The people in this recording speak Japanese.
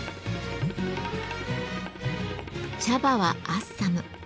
茶葉はアッサム。